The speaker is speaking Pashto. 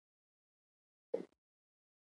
خو ما په دې خبرو پسې سر نه ګرځاوه.